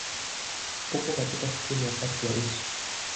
Uko katika kusini ya kati ya nchi.